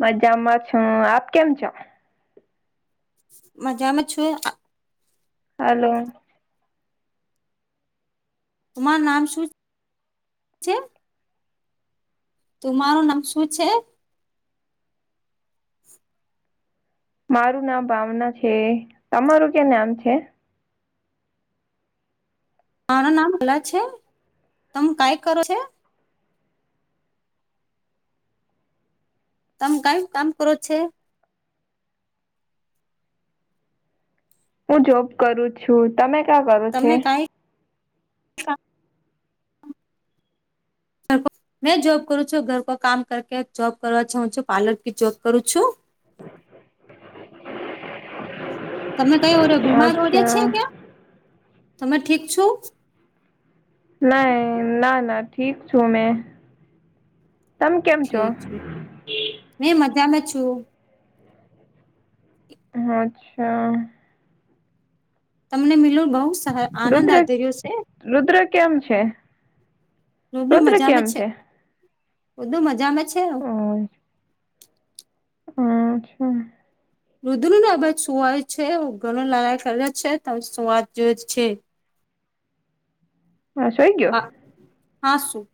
મજામાં છું આપ કેમ છો? મજામાં છું. હાલો. તમારૂ નામ શું છે? તમારું નામ શું છે? મારું નામ ભાવના છે તમારું ક્યા નામ છે? માર નામ [unintelligible] છે તમે કાંઈ કરો છો? તમે કાંઈ કામ કરો છે? હું જોબ કરું છું તમે ક્યાં કરો છો? તમે કઈ [inaudible] [inaudible] [unintelligible] મેં જોબ કરું છું ઘર કા કામ કર જોબ કરવા જઉ છું પાર્લર કી જોબ કરું છું. તમે કઈ ઓર્યો બીમાર ઓડ્યા અચ્છા છે ક્યા તમે ઠીક છું. નય ના ના ઠીક છું મેં. તમે કેમ છો ઠીક છે મે મજામાં છું. અચ્છા. તમને મિલો બહુ સા આનંદ રુદ્ર આદર્યો છે. રુદ્ર કેમ છે? રુદ્ર મજામાં છે બધુ મજામાં છે. હા. અચ્છા. રુદ્ર ને આ બાજ સુુંવાય છે ઘણ લારાઈ કરે છે તમે સ્વાદ જો જ છે. હા સુઈ ગઈ. હા સું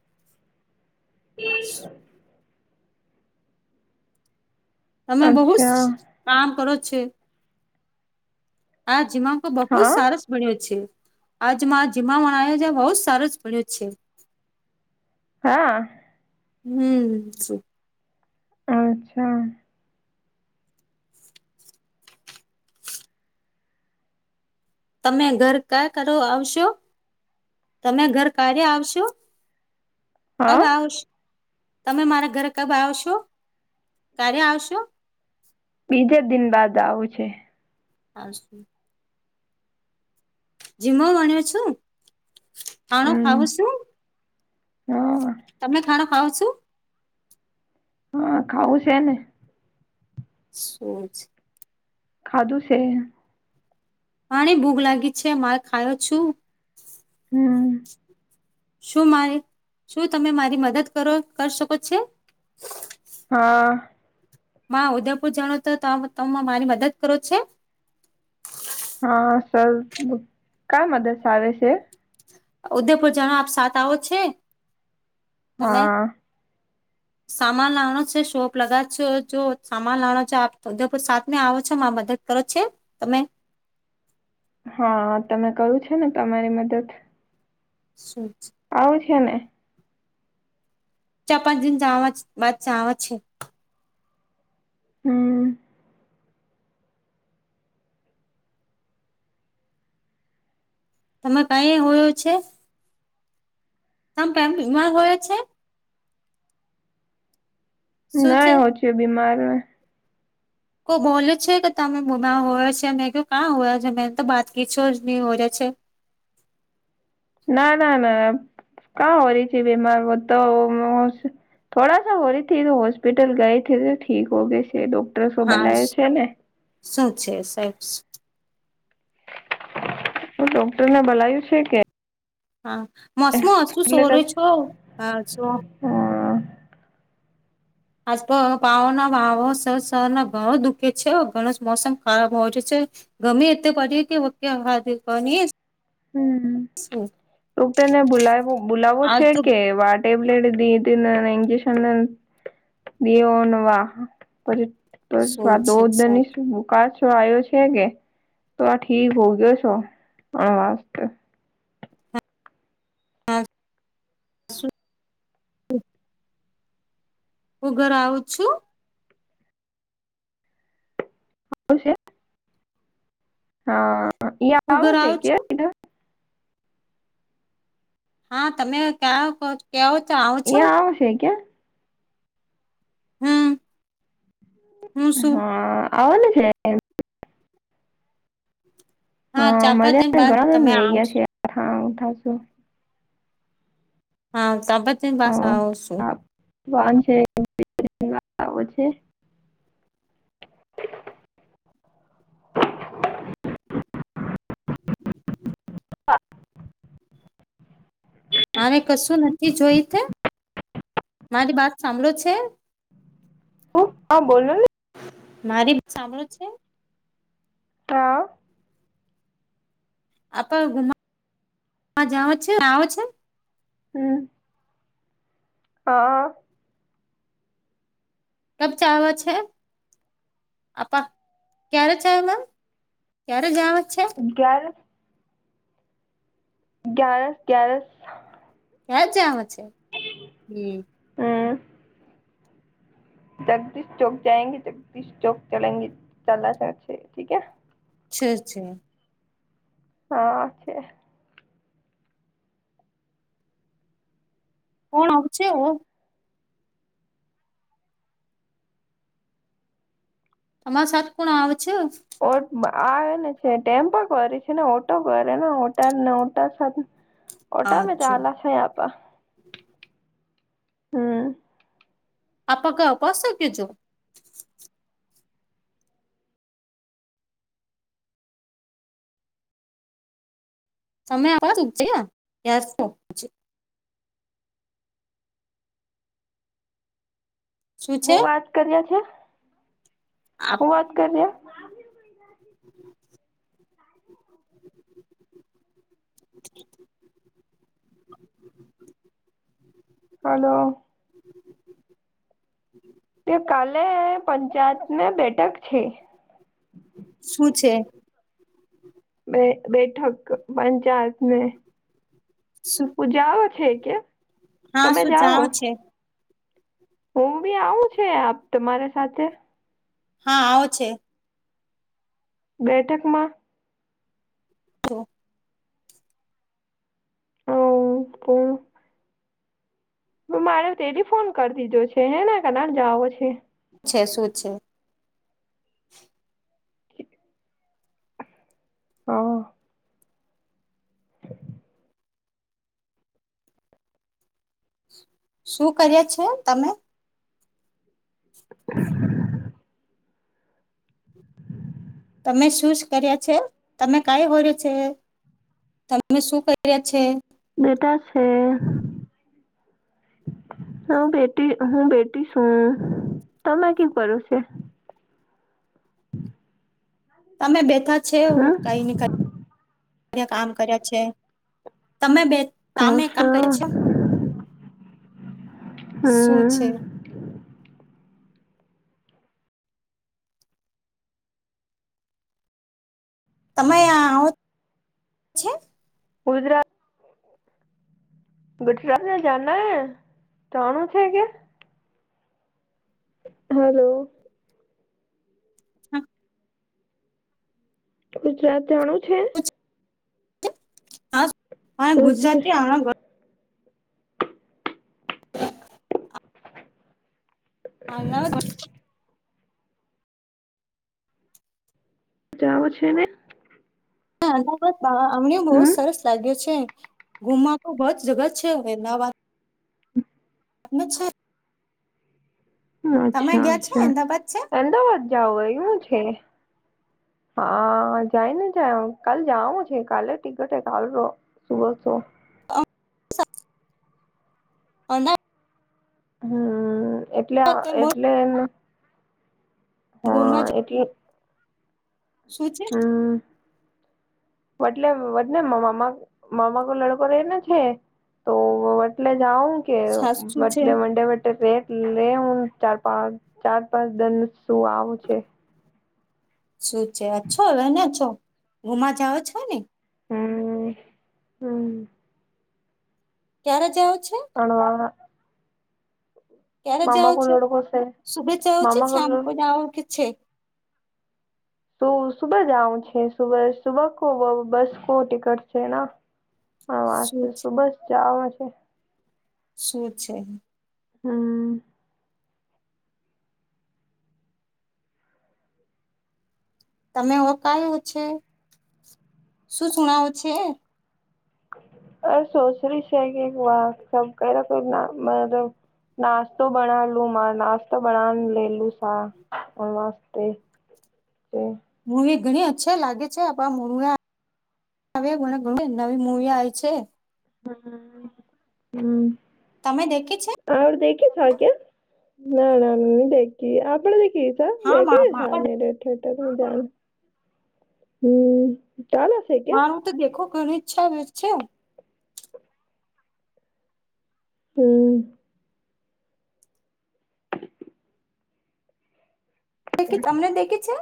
[inaudible] તમે બહુ અચ્છા કામ કરો છે? આ જીવન તો બહુ હા સારુ ભણ્યો છે આજમાં [unintelligible] આવ્યો છે બહુ જ સારો જ ભણ્યો છે. હા. હમ્મ શું અચ્છા. તમે ઘર કા કરો આવશો તમે ઘર ક્યારે આવશો? હા તમે આવશ તમે મારા ઘરે કબ આવશો? ક્યારે આવશો? બીજે દિન બાદ આવું છે. હા જી. જીમો ભણી છું. ખાણો હમ ખાવું છું હા તમે ખાણો ખાવુ છો? હા ખાવું છે ને. શૂઝ ખાધું છે. હની ભૂગ લાગી છે મારે ખાયો છું. હમ્મ. શું મારી, શું તમે મારી મદદ કરો કરી શકો છો? હા. મા ઉદયપુર જાણો તો તમે મારી મદદ કરો છો? હા સર કઈ મદદ આવે છે? ઉદયપુર જાણો આપ સાથ આવો છે, તમે? [inaudible] સામાન લાવાનો છે, શોપ લગા છો, જો સામાન લાનો છે આપ ઉદેપુર સાતમે આવો છો મા મદદ કરે છે તમે? હા તમે કરું છે ને તમારી મદદ. શૂચ. આવ છેને? ચાર પાંચ દિ જવા [unintelligible] છે. હમ્મ. તમે કઈ હોયો છે? તમ [unintelligible] હોય છે? શું છે [unintelligible] કો બોલે છે કે તમે બ હોય છે મેં કે કાં હોય છે મેને તો બાત કી [unintelligible] ના ના ના [unintelligible] થોડા સા હો રહી થી તો હોસ્પિટલ ગઈ થી તો ઠીક હો ગય છે ડો હાશ શું છે [unintelligible] ડોક્ટરને બોલાયું છે કે? હા મોંસમોં હશું એટલે હ સોર છો હા છો આજ પાવોના ભાવો સર શર ના ઘણો દુખે છે ઘનસ મોસમ ખરાબ હો છે ગેમે તે [unintelligible] હમ્મ, હું તને બોલાવ બોલાવો આજ છે તો કે વા ટેબલેટ [unintelligible] ઇજેશન. દેવો નો વાહ શું છે સારું. [unintelligible] [unintelligible] [unintelligible] ઉગર આવું છું. [unintelligible] હું ઘર આવું છું [inaudible] હા તમે ક્યા કેવો તો આવ છો? [unintelligible] કે. હમ હું શું હા આવનું છે? હા ચાર પાંચ મને દિન પણ બાદ ઘણા તમે વહી ગયા છે આવશો હા ખાસુ. હા [unintelligible] વાન છે. આવું છે. આમે કશું નથી જોય તે? મારી વાત સાંભળો છે? હું? હા બોલો ને. મારી સાંભળો છે? તા. આપ ઘુમા જાવુ છે જાવું છે. હમ્મ. હા. કબ ચાવ છે? આપા, ક્યારે ચાય મેમ, ક્યારે જાવ છે? ક્યારે ગ્યારહ ગ્યારહ કે્યા જમ છે, હમ હમ્મ જગદીશ ચૌક જાયંગી જગદીશ ચોક ચલેંગી ચાલ ચ ઠીકે અ્છ અ્ છે. હા છે. કોણ આવ છે, હો તમાર સાથે કોણ આવે છે. ઓ આવે ને છે ટેમ્પો કરે છેને, ઓટો કરે ને ઓટા ને ઓટા સાથે ઓટા અચ્છા મજાલા છે, આ હમ આપ ક અપાસ કેજો સમય આવવાજ ઉજ યાર તો શું છે હું વાત કર્યા છે, આપ હુ વાત કરીયા [unintelligible] [inaudible] [inaudible] હલો તે કાલે પંચાયતને બેઠક છે. શું છે. બે બેઠક પંચાયત ને શું હું જાઓ છે કે હા તમે શું જાઓ. જાણો છે હુ બી આવું છે, આપ તમારા સાથે હા આવો છે. બેઠક મા તો [unintelligible] મારે તેલી ફોન કરી દીધો છે હેને કના જાવ છે. છે શું છે. [inaudible] આઆ [unintelligible] શું કરીએ છે તમે [unintelligible] તમે શું કર્યા છે, તમે કઈ હોડ્યો છે. તમે શું કર્યા છે. બેટા છે. હ બેટી હુ બેટી છુ, તમે શુ કરો છો. [unintelligible] તમે બેઠા છે હમ કઈ નીક કામ કર્યા છે, તમે બે તામે કામ અચ્છા કર્યા છો શું હમ છે. તમે આ છે. ગુજરાત ગુજરાત મે જના હે ત્રણું છે, કે હલો હમ ગુજરાત જાણું છે. હા હ ગુજરાતી આવ [unintelligible] જાઓ છેને. હ, અ અમને બહુ હમ સરસ લાગ્યો છે. ગુમા બોત જગ છે હવે એ વા [unintelligible] [unintelligible] તમે અચ્છા ગયા છે અચ્છા અમદાવાદ છે અમદાવાદ જાઓ એવુ છે. હા જાયને જાય કાલ જાવં છે કાલે ટિકટે કાલો સુવો છો. [unintelligible] હમ એટલે, અમદાવાદ એટલે એમ [inaudible] એટલે શું છે હં [unintelligible] તો [unintelligible] જાઉ કે સાસ [unintelligible] શું છે વડે વડે રેક લે હું ચાર -પાંચ, ચાર -પાંચ દન શું આવું છે. શું છે અચ્છો હવેને અચ્છો ઘુમા જાઓ છો ને હમ, હમ ક્યારે જાવ છે? ભણવા માં ક્યારે જાઓ કો છે લડકો સુબે જાઓછે કે મામા કો લડ શામકો જાઓછે તો સુબહ જાઉં છે સુબહ સુબહ કો બસ કો ટિકટ છે ના હા, વાત શું તો છે સુબહ જવા છે. શું છે. હમ તમે ઓકાયો છે શું સુણઓ છે [unintelligible] નાસ્તો બનાલું મા નાસ્તો બનાવ લેલું હા [unintelligible] છે મુળી ઘણી અચ્છે લાગે છે આપણે મૂળવા હવે ઘણા ઘણી નવી મુવી આવી છે હમમ તમે દેખી છે? આ આપણે દેખી છે આ કે ના ના ના દેખી આપણે હા દેખી [unintelligible] હમમ ચાલે મારું તો દેખો ઘણી ઈચ્છા [unintelligible] હમમ [unintelligible] [unintelligible] તમનેે દેખે છે